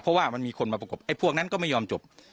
เพราะว่ามันมีคนมาประกบไอ้พวกนั้นก็ไม่ยอมจบ